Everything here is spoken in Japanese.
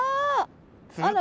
あら！